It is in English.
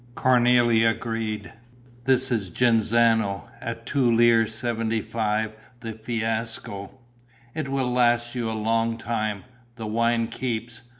Cornélie agreed. "This is Genzano, at two lire seventy five the fiasco. It will last you a long time: the wine keeps.